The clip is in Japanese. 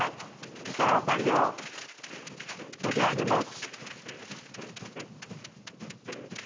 そうしたらあさりを取り上げます。